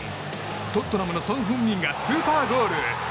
トットナムのソン・フンミンがスーパーゴール！